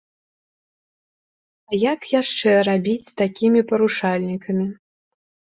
А як яшчэ рабіць з такімі парушальнікамі?